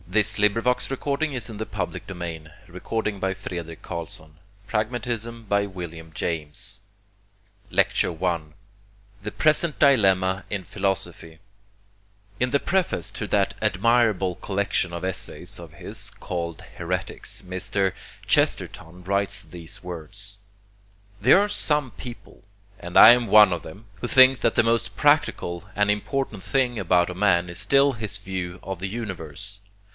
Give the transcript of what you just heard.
The healthy and the morbid reply. The 'tender' and the 'tough' types of religion. Pragmatism mediates. PRAGMATISM Lecture I The Present Dilemma in Philosophy In the preface to that admirable collection of essays of his called 'Heretics,' Mr. Chesterton writes these words: "There are some people and I am one of them who think that the most practical and important thing about a man is still his view of the universe.